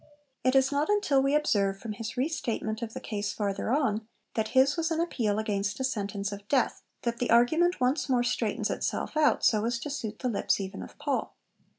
It is not until we observe from his re statement of the case farther on, that his was an appeal 'against a sentence of death,' that the argument once more straightens itself out so as to suit the lips even of Paul.